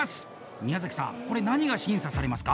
宮崎さん、これは何が審査されますか？